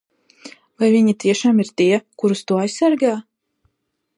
Vai viņi tiešām ir tie, kurus tu aizsargā?